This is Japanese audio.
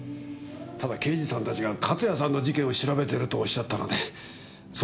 ただ刑事さんたちが勝谷さんの事件を調べてるとおっしゃったのでそうじゃないかなと。